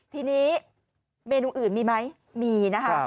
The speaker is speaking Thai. ทีนี้เมนูอื่นมีไหมมีนะคะ